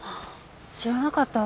知らなかったわ。